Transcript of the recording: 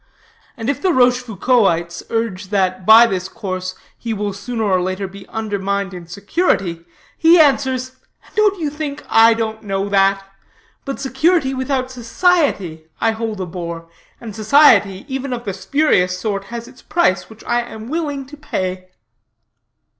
And if the Rochefoucaultites urge that, by this course, he will sooner or later be undermined in security, he answers, 'And do you think I don't know that? But security without society I hold a bore; and society, even of the spurious sort, has its price, which I am willing to pay.'"